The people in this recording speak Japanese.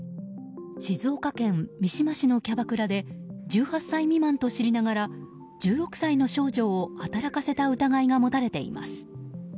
静岡県三島市のキャバクラで１８歳未満と知りながら１６歳の少女を働かせた疑いが持たれています。